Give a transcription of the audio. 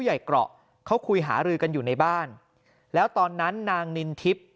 ใหญ่เกราะเขาคุยหารือกันอยู่ในบ้านแล้วตอนนั้นนางนินทิพย์